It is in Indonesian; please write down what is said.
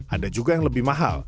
ada juga yang lebih mahal